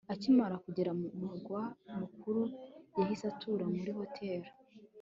akimara kugera mu murwa mukuru, yahise atura muri hoteri